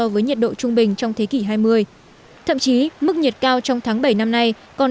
với nhiệt độ trung bình trong thế kỷ hai mươi thậm chí mức nhiệt cao trong tháng bảy năm nay còn